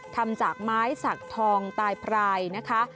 ทำจากไม้สักทองตายพรายนะคะ